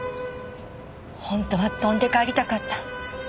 本当は飛んで帰りたかった。